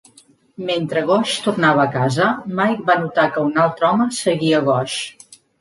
Mentre Gosch tornava a casa, Mike va notar que un altre home seguia a Gosch.